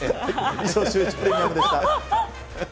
以上、シューイチプレミアムでした。